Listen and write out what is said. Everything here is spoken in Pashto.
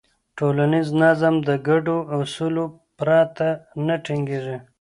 ټولنیز نظم د ګډو اصولو پرته نه ټینګېږي.